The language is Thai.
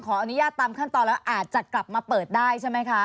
ขออนุญาตตามขั้นตอนแล้วอาจจะกลับมาเปิดได้ใช่ไหมคะ